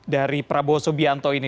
dari prabowo subianto ini